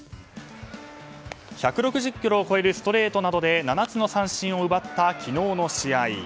１６０キロを超えるストレートなどで７つの三振を奪った昨日の試合。